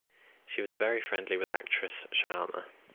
She was very friendly with actress Shyama.